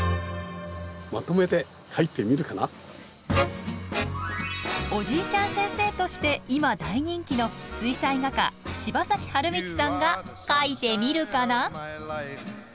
まとめて「おじいちゃん先生」として今大人気の水彩画家柴崎春通さんが描いてみるかな！